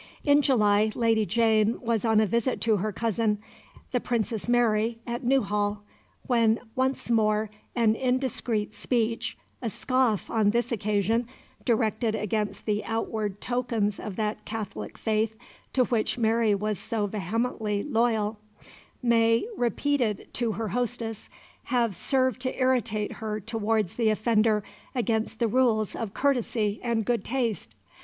In July Lady Jane was on a visit to her cousin, the Princess Mary, at Newhall; when, once more, an indiscreet speech a scoff, on this occasion, directed against the outward tokens of that Catholic faith to which Mary was so vehemently loyal may, repeated to her hostess, have served to irritate her towards the offender against the rules of courtesy and good taste.